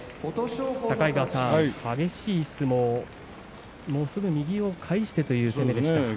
境川さん、激しい相撲すぐに右を返してという攻めでしたね。